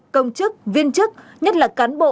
công chức viên chức nhất là cán bộ